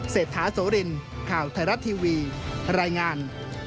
เศรษฐาโสรินข่าวไทยรัฐทีวีรายงาน